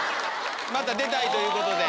また出たいということで。